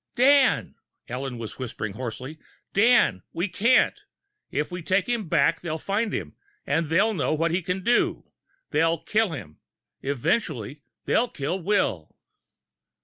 "Dan," Ellen was whispering hoarsely. "Dan, we can't. If we take him back, they'll find him, and they'll know what he can do. They'll kill him. Eventually, they'll kill Will!"